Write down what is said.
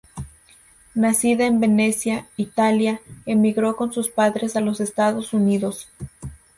Nacida en Venecia, Italia, emigró con sus padres a los Estados Unidos.